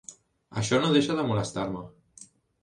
Això no deixa de molestar-me.